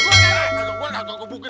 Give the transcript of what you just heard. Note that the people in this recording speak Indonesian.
lu keluar gue udah mau ngebukin